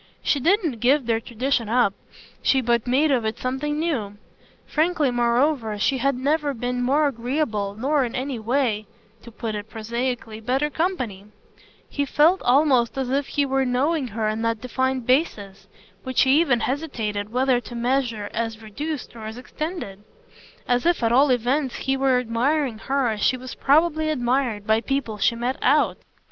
She didn't give their tradition up; she but made of it something new. Frankly moreover she had never been more agreeable nor in a way to put it prosaically better company: he felt almost as if he were knowing her on that defined basis which he even hesitated whether to measure as reduced or as extended; as if at all events he were admiring her as she was probably admired by people she met "out."